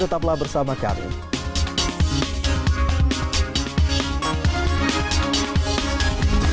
tetaplah bersama kami